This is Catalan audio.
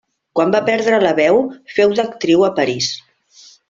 Quan va perdre la veu, féu d'actriu a París.